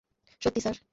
সত্যি, স্যার?